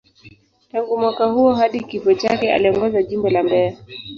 Tangu mwaka huo hadi kifo chake, aliongoza Jimbo la Mbeya.